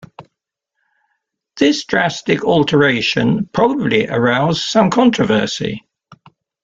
This drastic alteration probably aroused some controversy.